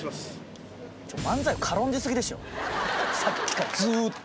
さっきからずっと。